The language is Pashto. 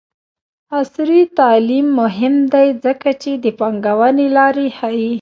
عصري تعلیم مهم دی ځکه چې د پانګونې لارې ښيي.